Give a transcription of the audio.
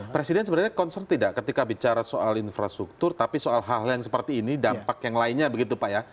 presiden sebenarnya concern tidak ketika bicara soal infrastruktur tapi soal hal hal yang seperti ini dampak yang lainnya begitu pak ya